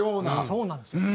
そうなんですよ。